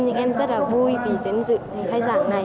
nhưng em rất là vui vì đến dự khai giảng này